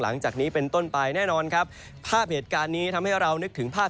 หลังจากนี้เป็นต้นไปแน่นอนครับภาพเหตุการณ์นี้ทำให้เรานึกถึงภาพ